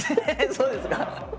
そうですか？